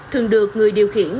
thường được người điều khiển